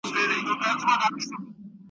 بيا به خپل کي دا دښتونه `